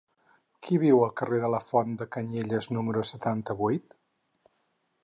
Qui viu al carrer de la Font de Canyelles número setanta-vuit?